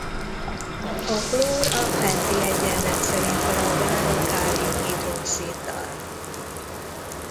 A klór a fenti egyenlet szerint reagál a kálium-hidroxiddal.